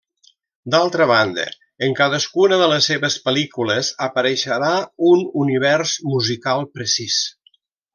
D'altra banda, en cadascuna de les seves pel·lícules apareixerà un univers musical precís.